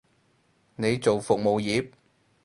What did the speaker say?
你做服務業？